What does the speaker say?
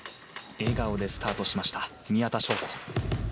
笑顔でスタートした宮田笙子。